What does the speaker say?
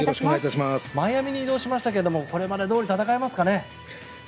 マイアミに移動しましたけれどもこれまでどおり戦えますかね。